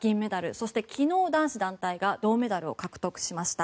そして昨日、男子団体が銅メダルを獲得しました。